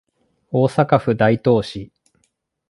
大阪府大東市